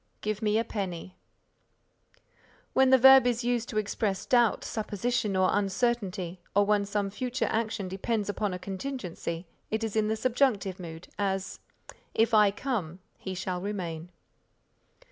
"Give me a penny." When the verb is used to express doubt, supposition or uncertainty or when some future action depends upon a contingency, it is in the subjunctive mood; as, "If I come, he shall remain."